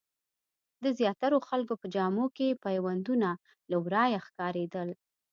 د زیاترو خلکو په جامو کې پیوندونه له ورايه ښکارېدل.